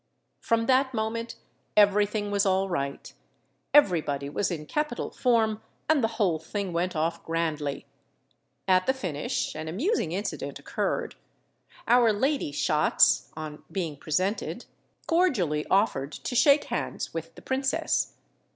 From that moment everything was all right; everybody was in capital form and the whole thing went off grandly. At the finish an amusing incident occurred. Our lady shots, on being presented, cordially offered to shake hands with the princess.